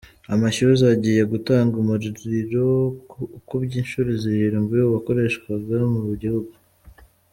Amashyuza agiye gutanga umuriro ukubye inshuro zirindwi uwakoreshwaga mu gihugu